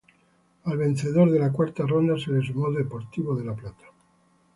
Al vencedor de la Cuarta Ronda se le sumó Deportivo La Plata.